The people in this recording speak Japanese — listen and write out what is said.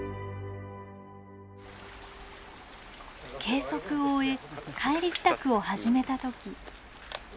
計測を終え帰り支度を始めた時。